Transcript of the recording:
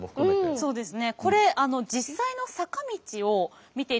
そうですね。